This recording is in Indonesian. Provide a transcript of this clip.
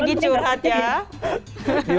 lebih ke arah positive thinking aja